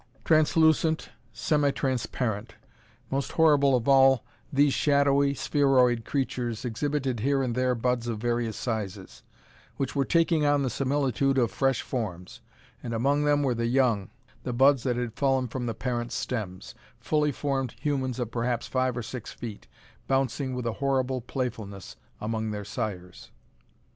Translucent, semi transparent. Most horrible of all, these shadowy, spheroid creatures exhibited here and there buds of various sizes, which were taking on the similitude of fresh forms. And among them were the young, the buds that had fallen from the parent stems, fully formed humans of perhaps five or six feet, bouncing with a horrible playfulness among their sires.